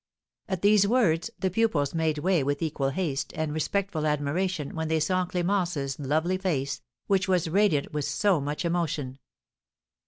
At these words, the pupils made way with equal haste and respectful admiration when they saw Clémence's lovely face, which was radiant with so much emotion.